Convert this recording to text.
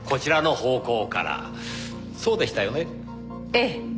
ええ。